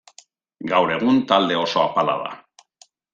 Gaur egun talde oso apala da.